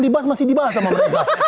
dibahas masih dibahas sama mereka